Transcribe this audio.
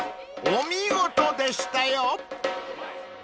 お見事でしたよ！］